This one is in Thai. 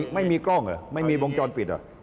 ไม่มีกล้องเหรอไม่มีวงจรปิด